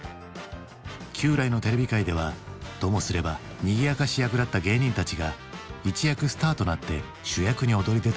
旧来のテレビ界ではともすればにぎやかし役だった芸人たちが一躍スターとなって主役に躍り出たのだ。